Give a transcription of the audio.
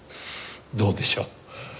どうでしょう。